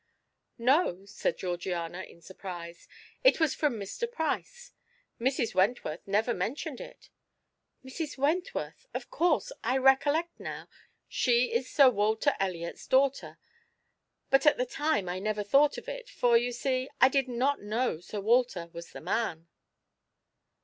"No," said Georgiana, in surprise, "it was from Mr. Price. Mrs. Wentworth never mentioned it. Mrs. Wentworth! Of course, I recollect now, she is Sir Walter Elliot's daughter; but at the time I never thought of it, for, you see, I did not know Sir Walter was the man."